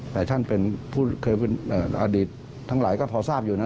หลายท่านเคยเป็นอดีตทั้งหลายก็พอทราบอยู่นะ